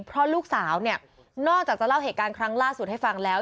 เพราะลูกสาวเนี่ยนอกจากจะเล่าเหตุการณ์ครั้งล่าสุดให้ฟังแล้ว